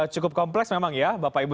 cukup kompleks memang ya bapak ibu